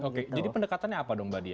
oke jadi pendekatannya apa dong mbak dia